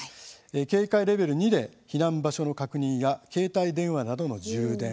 警戒レベル２で避難場所の確認や携帯電話などの充電。